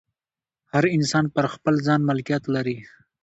هر انسان پر خپل ځان مالکیت لري.